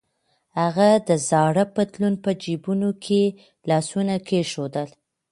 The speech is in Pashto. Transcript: هغه د زاړه پتلون په جبونو کې لاسونه کېښودل.